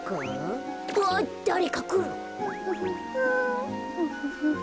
あっだれかくる。